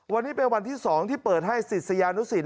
วันนี้เป็นวันที่๒ที่เปิดให้ศิษยานุสิต